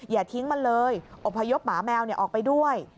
อย่าทิ้งมันเลยอบพยพหมาแมวออกไปด้วย